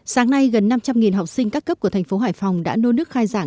sáng nay gần năm trăm linh học sinh các cấp của thành phố hải phòng đã nôn nước khai giảng